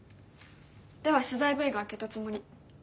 では取材Ｖが明けたつもり。